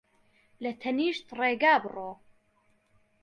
لە تەنیشت ڕێگا بڕۆ